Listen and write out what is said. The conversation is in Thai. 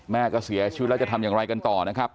แม่ก็เสียชีวิตแล้วจะทำอย่างไรกันต่อนะครับ